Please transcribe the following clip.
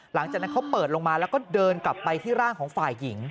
หลังจากนั้นเขาเปิดลงมาแล้วก็เดินกลับไปที่ร่างของฝ่ายหญิง